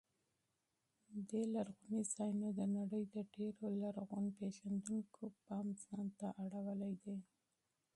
دې لرغونو ځایونو د نړۍ د ډېرو لرغون پېژندونکو پام ځان ته اړولی دی.